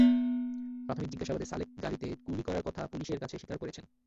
প্রাথমিক জিজ্ঞাসাবাদে সালেক গাড়িতে গুলি করার কথা পুলিশের কাছে স্বীকার করেছেন।